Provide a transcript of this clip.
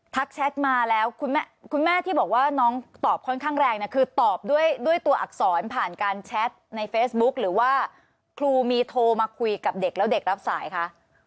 แชทมาแล้วคุณแม่ที่บอกว่าน้องตอบค่อนข้างแรงเนี่ยคือตอบด้วยตัวอักษรผ่านการแชทในเฟซบุ๊คหรือว่าครูมีโทรมาคุยกับเด็กแล้วเด็กรับสายคะ